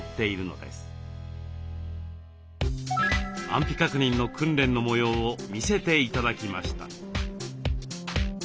安否確認の訓練の模様を見せて頂きました。